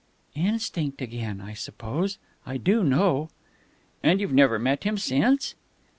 "Instinct, again, I suppose. I do know." "And you've never met him since?"